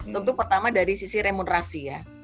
tentu pertama dari sisi remunerasi ya